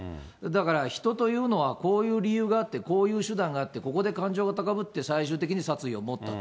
だから、人というのはこういう理由があって、こういう手段があって、ここで感情が高ぶって、最終的に殺意を持った。